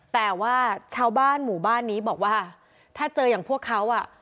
แต่ว่าชาวบ้านหมู่บ้านนี้บอกว่าถ้าเจออย่างพวกเขาอ่ะ